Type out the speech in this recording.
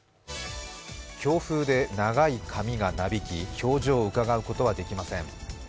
強風で長い髪がなびき表情をうかがうことはできません。